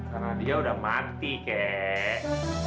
karena dia udah mati kek